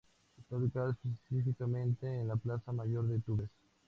Está ubicado específicamente en la plaza mayor de Tumbes.